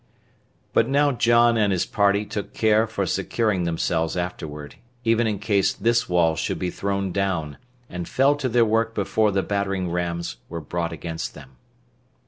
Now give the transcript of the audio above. But now John and his party took care for securing themselves afterward, even in case this wall should be thrown down, and fell to their work before the battering rams were brought against them.